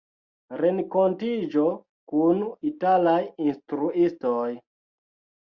Renkontiĝo kun italaj instruistoj.